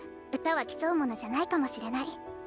歌は競うものじゃないかもしれない。